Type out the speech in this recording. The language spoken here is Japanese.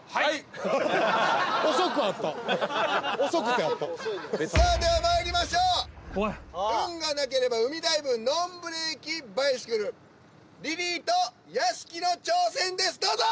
遅く合った遅くて合ったさあではまいりましょう怖い運がなければ海ダイブＮＯＮブレーキバイシクルリリーと屋敷の挑戦ですどうぞ！